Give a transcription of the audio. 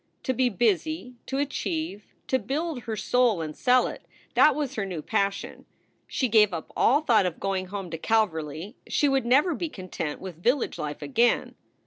To be busy, to achieve, to build her soul and sell it that was her new passion. She gave up all thought of going home to Calverly. She would never be content with village life again.